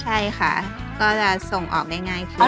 ใช่ค่ะก็จะส่งออกได้ง่ายขึ้น